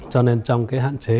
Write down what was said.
cho nên trong cái hạn chế